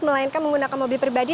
melainkan menggunakan mobil pribadi